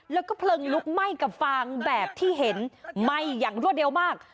แล้วก็เพลิงลุกไหม้กับฟางแบบที่เห็นไหม้อย่างรวดเร็วมาก